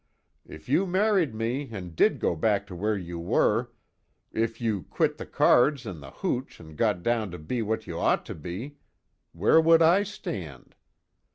If you married me and did go back to where you were if you quit the cards and the hooch and got down to be what you ought to be where would I stand?